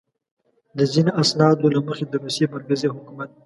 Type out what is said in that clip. د ځینو اسنادو له مخې د روسیې مرکزي حکومت.